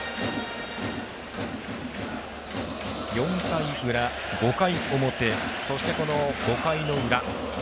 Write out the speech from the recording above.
４回裏、５回表そして、この５回の裏。